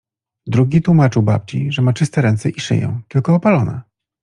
Drugi tłumaczył babci, że ma czyste ręce i szyję, tylko opalone.